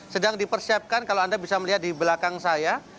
sedang dipersiapkan kalau anda bisa melihat di belakang saya